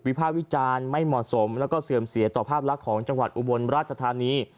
ภาควิจารณ์ไม่เหมาะสมแล้วก็เสื่อมเสียต่อภาพลักษณ์ของจังหวัดอุบลราชธานี